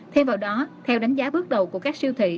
thêm vào đó theo đánh giá bước đầu của các siêu thị